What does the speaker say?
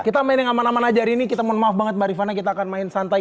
kita main yang aman aman aja hari ini kita mohon maaf banget mbak rifana kita akan main santai